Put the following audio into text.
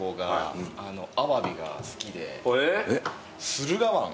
駿河湾。